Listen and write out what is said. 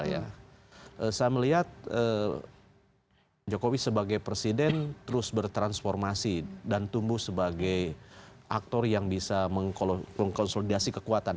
saya melihat jokowi sebagai presiden terus bertransformasi dan tumbuh sebagai aktor yang bisa mengkonsolidasi kekuatan